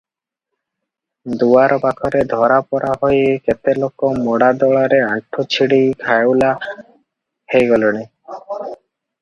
ଦୁଆର ପାଖରେ ଧରାପରା ହୋଇ କେତେ ଲୋକ ମଡ଼ା ଦଳାରେ ଆଣ୍ଠୁ ଛିଡି ଘାଉଲା ହୋଇଗଲେଣି ।